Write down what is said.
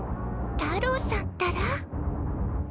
たろうさんったら。